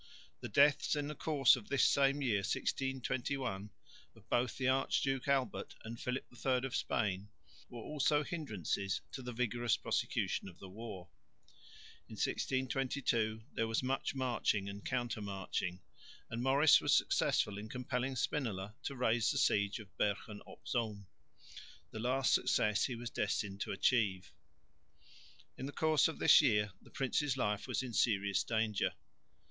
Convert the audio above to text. The deaths in the course of this same year, 1621, of both the Archduke Albert and Philip III of Spain, were also hindrances to the vigorous prosecution of the war. In 1622 there was much marching and counter marching, and Maurice was successful in compelling Spinola to raise the siege of Bergen op Zoom, the last success he was destined to achieve. In the course of this year the prince's life was in serious danger.